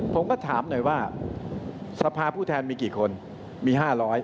ผมก็ถามหน่อยว่าสภาผู้แทนมีกี่คนมี๕๐๐